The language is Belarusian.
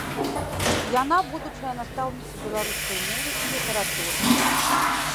Яна будучая настаўніца беларускай мовы і літаратуры.